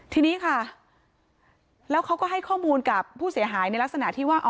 ทีนี้ค่ะแล้วเขาก็ให้ข้อมูลกับผู้เสียหายในลักษณะที่ว่า